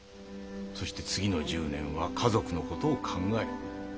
そして次の１０年は家族の事を考える。